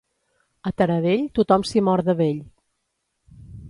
A Taradell, tothom s'hi mor de vell.